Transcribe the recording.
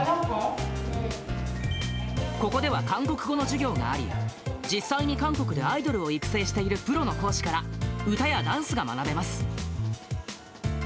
ここでは韓国語の授業があり、実際に韓国でアイドルを育成しているプロの講師から、歌やダンスが学べます。